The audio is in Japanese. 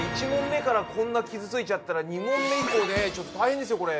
１問目からこんな傷ついちゃったら２問目以降ねちょっと大変ですよ